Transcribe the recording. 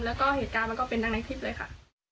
แล้วก็เหตุการณ์มันก็เป็นดังในคลิปเลยค่ะ